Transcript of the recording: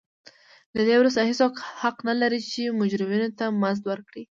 له دې وروسته هېڅوک حق نه لري چې مجرمینو ته مزد ورکړي.